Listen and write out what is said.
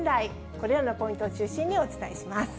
これらのポイントを中心にお伝えします。